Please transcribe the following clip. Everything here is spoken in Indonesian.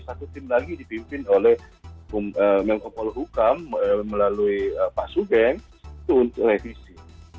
satu tim lagi dipimpin oleh menko polo ukam melalui pak sugeng itu untuk retisi